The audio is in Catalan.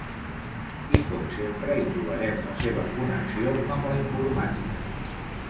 I, com sempre, hi trobarem la seva connexió amb la informàtica.